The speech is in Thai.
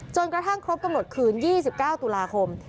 กระทั่งครบกำหนดคืน๒๙ตุลาคม